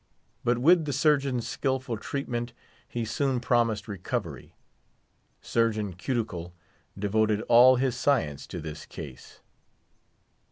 But with the surgeon's skillful treatment he soon promised recovery. Surgeon Cuticle devoted all his science to this case.